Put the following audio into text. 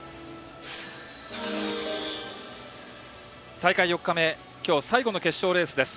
大会４日目今日最後の決勝レースです。